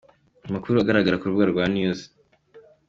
Amakuru agaragara ku rubuga rwa news.